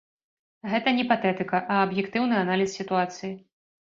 Гэта не патэтыка, а аб'ектыўны аналіз сітуацыі.